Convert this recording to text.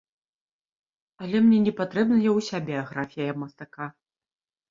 Але мне не патрэбная ўся біяграфія мастака.